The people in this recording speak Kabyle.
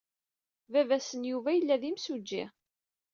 Baba-s n Yuba yella d imsujji.